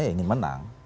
ya ingin menang